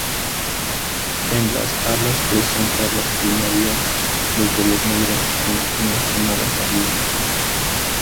En las alas presenta las primarias de color negro, con una zona basal blanca.